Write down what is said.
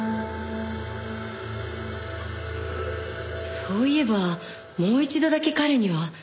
そういえばもう一度だけ彼には。